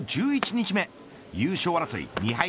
１１日目優勝争い２敗